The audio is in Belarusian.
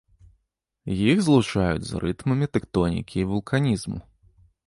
Іх злучаюць з рытмамі тэктонікі і вулканізму.